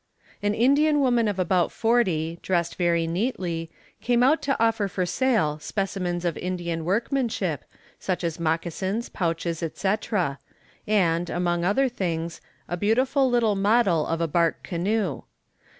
An Indian woman of about forty, dressed very neatly, came out to offer for sale specimens of Indian workmanship, such as moccasins, pouches, &c. and, among other things, a beautiful little model of a bark canoe.